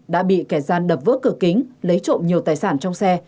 đã bị kẻ gian đập vỡ cửa kính lấy trộm nhiều tài sản trong xe